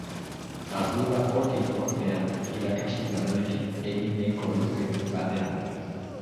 Ardura hori, ordea, irakasle lanarekin egin nahiko luke bateragarri.